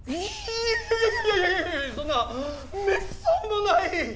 いやいやいやそんなめっそうもない！